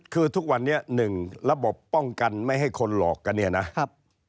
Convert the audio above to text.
คือทุกวันนี้หนึ่งระบบป้องกันไม่ให้คนหลอกกันเนี่ยนะครับ